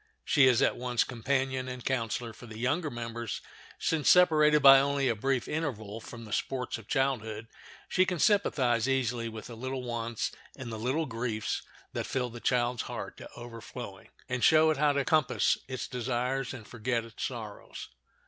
She is at once companion and counselor for the younger members, since separated by only a brief interval from the sports of childhood she can sympathize easily with the little wants and little griefs that fill the child's heart to overflowing, and show it how to compass its desires and forget its sorrows.